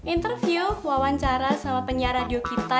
interview wawancara sama penyiar radio kita